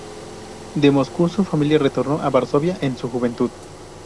De Moscú, su familia retornó a Varsovia en su juventud.